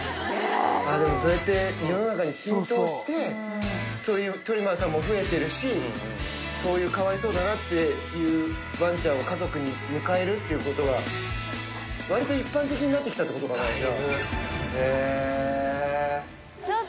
でも、そうやって世の中に浸透して、そういうトリマーさんも増えてるし、そういうかわいそうだなっていうわんちゃんを家族に迎えるっていうことが、わりと一般的になってきたってことかな、じゃあ。